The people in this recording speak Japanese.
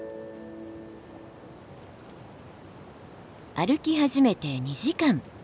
歩き始めて２時間。